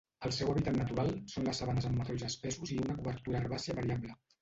El seu hàbitat natural són les sabanes amb matolls espessos i una cobertura herbàcia variable.